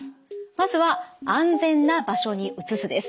まずは安全な場所に移すです。